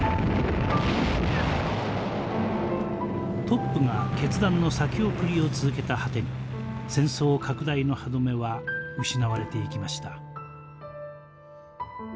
トップが決断の先送りを続けた果てに戦争拡大の歯止めは失われていきました。